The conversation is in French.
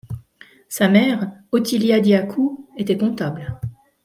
Sa mère, Otilia Diacu, était comptable.